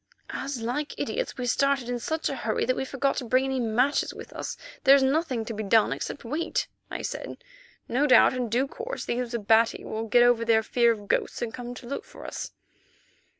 "As, like idiots, we started in such a hurry that we forgot to bring any matches with us, there is nothing to be done, except wait," I said. "No doubt in due course those Abati will get over their fear of ghosts and come to look for us."